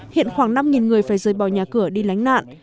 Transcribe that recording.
hiện khoảng năm người phải rời bỏ nhà cửa đi lánh nạn